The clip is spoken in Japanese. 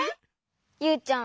ユウちゃん